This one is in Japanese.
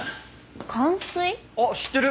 あっ知ってる！